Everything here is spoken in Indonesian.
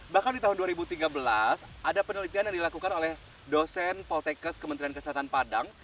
bahkan di tahun dua ribu tiga belas ada penelitian yang dilakukan oleh dosen poltekes kementerian kesehatan padang